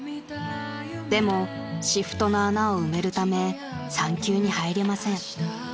［でもシフトの穴を埋めるため産休に入れません］